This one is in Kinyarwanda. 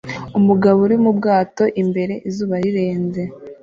Umugabo uri mu bwato imbere izuba rirenze